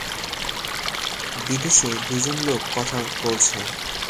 বিদেশে দুজন লোক কথা বলছে।